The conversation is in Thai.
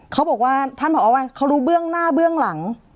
เขาบอกว่าท่านผอว่าเขารู้เบื้องหน้าเบื้องหลัง